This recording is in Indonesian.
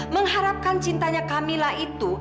mengharapkan cintanya kamila itu